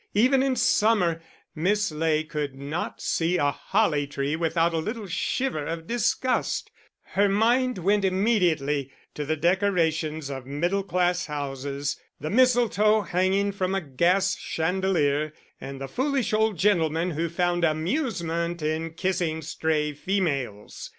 Even in summer Miss Ley could not see a holly tree without a little shiver of disgust; her mind went immediately to the decorations of middle class houses, the mistletoe hanging from a gas chandelier, and the foolish old gentlemen who found amusement in kissing stray females.